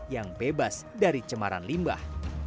yang bebas dari cemaran limbah